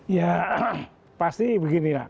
ya pasti begini lah